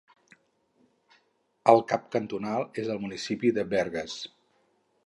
El cap cantonal és el municipi de Bergues.